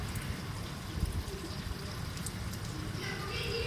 Hřbitov je dnes ve vlastnictví Židovské obce v Praze.